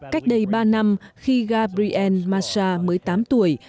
cách đây ba năm khi gabriel masha mới tám tuổi